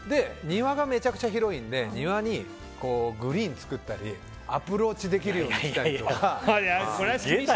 庭がめちゃくちゃ広いので、庭にグリーンを作ったりアプローチできるようにだとか。